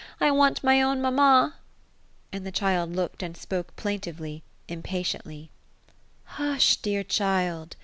I want mj own mamma I" And the child looked and spoke plain tivei J, — ini paticn tly. ^' Hush, dear child